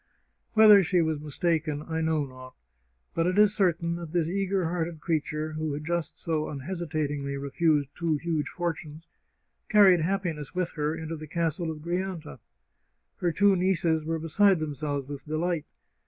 Whether she was mistaken I know not, but it is certain that this eager hearted creature, who had just so unhesitat ingly refused two huge fortunes, carried happiness with her into the Castle of Grianta. Her two nieces were beside themselves with delight.